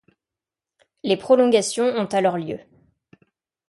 Les prolongations ont alors lieu.